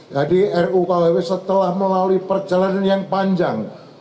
jadi ruu kuhp setelah melalui perjalanan yang panjang